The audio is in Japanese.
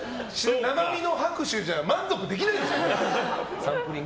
生身の拍手じゃ満足できないんですか！